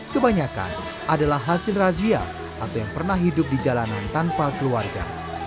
kebanyakan adalah hasil razia atau yang pernah hidup di jalanan tanpa keluarga